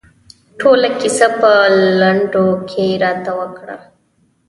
ټوله کیسه په لنډو کې راته وکړه.